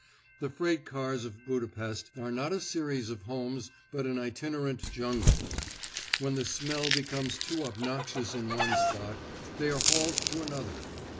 The freight cars of Budapest are not a series of homes, but an itinerant jungle. When the smell becomes too obnoxious in one spot, they are hauled to another.